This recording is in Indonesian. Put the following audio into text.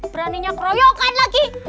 beraninya keroyokan lagi